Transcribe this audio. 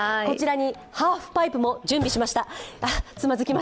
こちらにハーフパイプも準備しました。